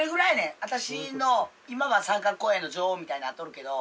私の今は三角公園の女王みたいになっとるけど。